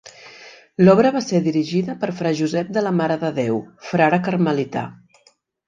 L'obra va ser dirigida per Fra Josep de la Mare de Déu, frare carmelità.